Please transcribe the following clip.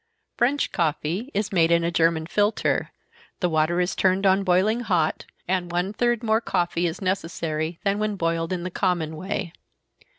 French coffee is made in a German filter, the water is turned on boiling hot, and one third more coffee is necessary than when boiled in the common way.